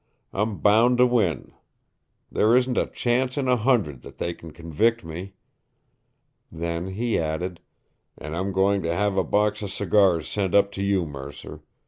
I'm bound to win. There isn't a chance in a hundred that they can convict me." Then he added: "And I'm going to have a box of cigars sent up to you, Mercer.